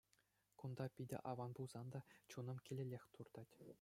Кунта питӗ аван пулсан та, чунӑм килеллех туртать.